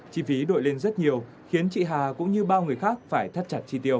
chi phí đội lên rất nhiều khiến chị hà cũng như bao người khác phải thắt chặt chi tiêu